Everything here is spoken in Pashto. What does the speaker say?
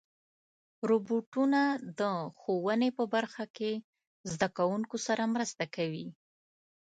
روبوټونه د ښوونې په برخه کې زدهکوونکو سره مرسته کوي.